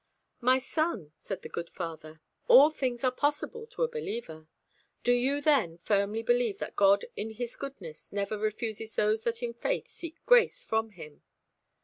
"My son," said the good father, "all things are possible to a believer. Do you, then, firmly believe that God in His goodness never refuses those that in faith seek grace from Him?"